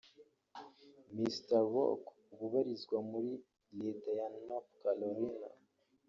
Mr Rock ubu abarizwa muri leta ya North Carolina